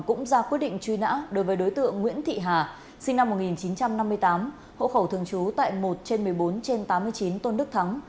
cũng ra quyết định truy nã đối với đối tượng nguyễn thị hà sinh năm một nghìn chín trăm năm mươi tám hộ khẩu thường trú tại một trên một mươi bốn trên tám mươi chín tôn đức thắng